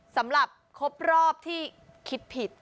สำหรับครบรอบที่คิดผิด